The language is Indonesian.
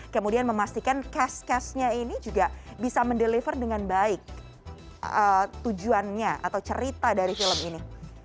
kemudian memastikan cash cashnya ini juga bisa mendeliver dengan baik tujuannya atau cerita dari film ini